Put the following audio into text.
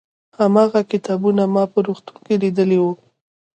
هماغه کتابونه ما په روغتون کې لیدلي وو.